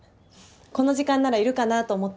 この時間ならいるかなと思って。